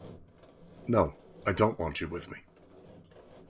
No, I don't want you with me.